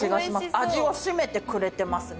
味を締めてくれてますね